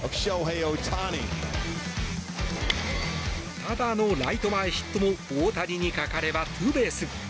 ただのライト前ヒットも大谷にかかればツーベース。